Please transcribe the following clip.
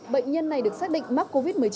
bệnh nhân này được xác định mắc covid một mươi chín